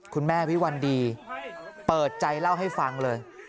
คุณแม่วิวัณดีเปิดใจเล่าให้ฟังเลย